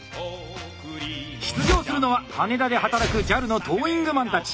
出場するのは羽田で働くＪＡＬのトーイングマンたち。